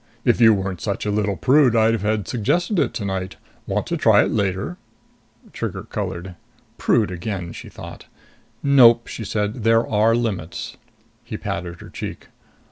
If you weren't such a little prude, I'd have suggested it tonight. Want to try it later?" Trigger colored. Prude again, she thought. "Nope," she said. "There are limits." He patted her cheek.